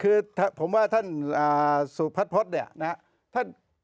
ก็เพิ่มเลยละคือผมว่าท่านสุภัทพฤษฐ์เนี่ยนะครับ